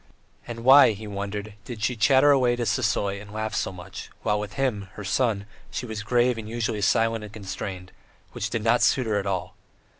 And why, he wondered, did she chatter away to Sisoy and laugh so much; while with him, her son, she was grave and usually silent and constrained, which did not suit her at all.